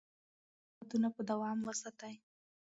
ښه عادتونه په دوام وساتئ.